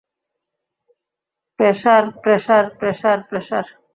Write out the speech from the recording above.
Pressure, pressure, pressure, pressure!